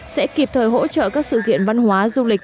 sẽ kịp thời hỗ trợ các sự kiện văn hóa du lịch